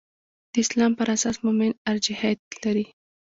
د اسلام پر اساس مومن ارجحیت لري.